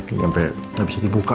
ini sampai nggak bisa dibuka